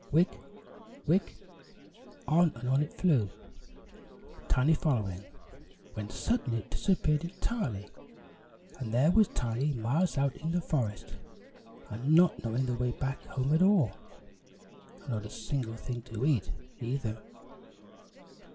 "Wick wick!" On and on it flew, Tiny following, when suddenly it disappeared entirely, and there was Tiny miles out in the forest, and not knowing the way back home at all. And not a single thing to eat, either.